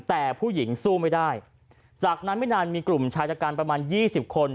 แต่ผู้หญิงสู้ไม่ได้จากนั้นไม่นานมีกลุ่มชายจัดการประมาณยี่สิบคน